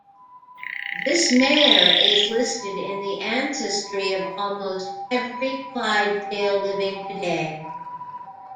This mare is listed in the ancestry of almost every Clydesdale living today.